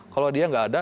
kalau dia nggak ada